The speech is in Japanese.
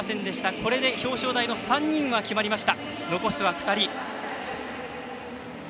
これで表彰台の３人は決まりました。